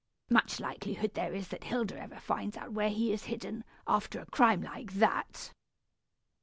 much likelihood there is that Hilda ever finds out where he is hidden, after a crime like that!"